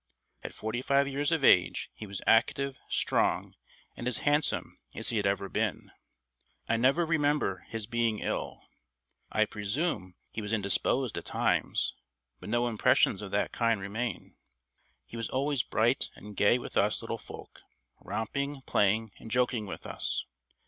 At forty five years of age he was active, strong, and as handsome as he had ever been. I never remember his being ill. I presume he was indisposed at times; but no impressions of that kind remain. He was always bright and gay with us little folk romping, playing, and joking with us.